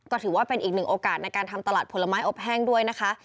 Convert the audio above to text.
ก็ถือว่าเป็นอีกหนึ่งโอกาสในการทำตลาดผลไม้อบแห้งด้วยนะคะ